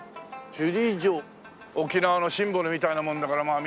首里城沖縄のシンボルみたいなもんだからまあ